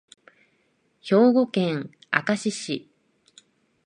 兵庫県明石市